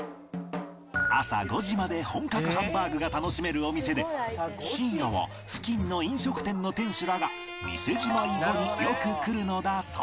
朝５時まで本格ハンバーグが楽しめるお店で深夜は付近の飲食店の店主らが店じまい後によく来るのだそう